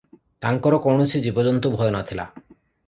ତାଙ୍କର କୌଣସି ଜୀବଜନ୍ତୁ ଭୟ ନ ଥିଲା ।